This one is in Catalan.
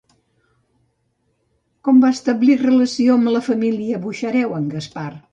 Com va establir relació amb la família Buxareu, en Gaspar?